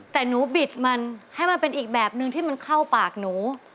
แต่หนูบิดมันให้มันเป็นอีกแบบนึงที่มันเข้าปากหนู